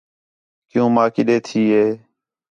کیوں ماں کِݙّے تھی ہے